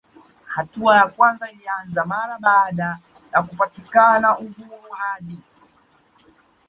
Hatua ya kwanza ilianza mara baada ya kupatikana uhuru hadi